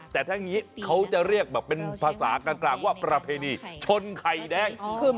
แต่ถ้าอย่างนี้เขาจะเรียกแบบเป็นภาษากลางว่าประเพณีชนไข่แดง